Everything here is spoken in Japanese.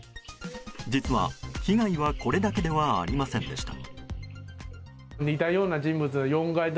実は、被害はこれだけではありませんでした。